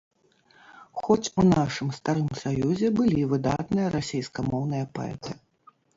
Хоць у нашым старым саюзе былі выдатныя расейскамоўныя паэты.